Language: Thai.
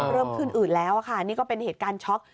เริ่มขึ้นอืดแล้วค่ะนี่ก็เป็นเหตุการณ์ช็อก